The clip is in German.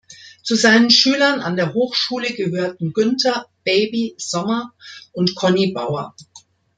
Zu seinen Schülern an der Hochschule gehörten Günter „Baby“ Sommer und Conny Bauer.